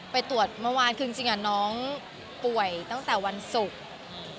ไปตรวจเมื่อวานคือจริงน้องป่วยตั้งแต่วันศุกร์